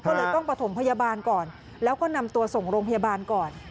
ก็เลยต้องประถมพยาบาลก่อนแล้วก็นำตัวส่งโรงพยาบาลก่อน